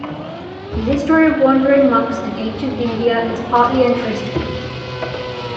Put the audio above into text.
The history of wandering monks in ancient India is partly untraceable.